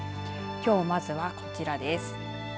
きょうまずは、こちらです。